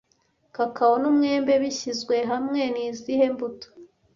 Kakao n'umwembe bishyizwe hamwe, ni izihe mbuto